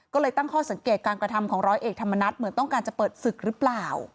ก็เลยตั้งข้อสังเกตการกระทำของร้อยเอกธรรมนัฐเหมือนต้องการจะเปิดศึกหรือเปล่า